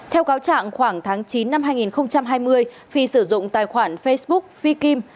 theo cáo trạng khoảng tháng chín năm hai nghìn hai mươi phi sử dụng tài khoản facebook phi kim